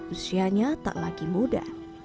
usianya tak lagi muda